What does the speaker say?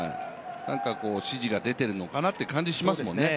指示がでているのかなっていう感じがしますもんね。